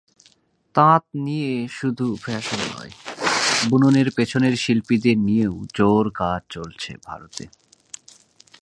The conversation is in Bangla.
তাঁত নিয়েশুধু ফ্যাশন নয়, বুননের পেছনের শিল্পীদের নিয়েও জোর কাজ চলছে ভারতে।